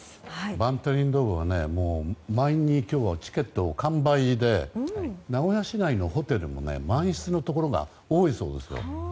バンテリンドームは今日はチケット完売で名古屋市内のホテルも満室のところが多いそうですよ。